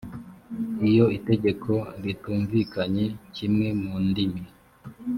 iyo itegeko ritumvikanye kimwe mu ndimi